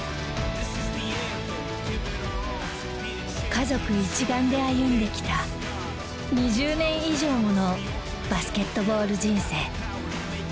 家族一丸で歩んできた２０年以上ものバスケットボール人生。